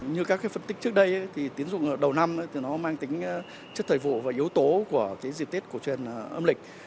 như các phân tích trước đây tính dụng đầu năm mang tính chất thời vụ và yếu tố của dịp tiết của trên âm lịch